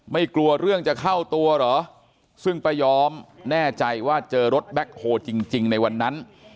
กลัวเรื่องจะเข้าตัวเหรอซึ่งป้ายอมแน่ใจว่าเจอรถแบ็คโฮจริงในวันนั้น